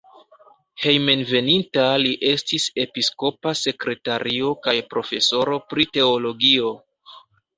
Hejmenveninta li estis episkopa sekretario kaj profesoro pri teologio.